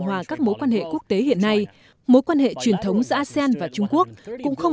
hòa các mối quan hệ quốc tế hiện nay mối quan hệ truyền thống giữa asean và trung quốc cũng không